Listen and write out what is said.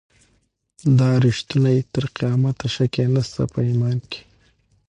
دا ریښتونی تر قیامته شک یې نسته په ایمان کي